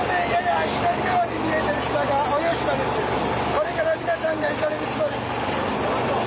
これから皆さんが行かれる島です。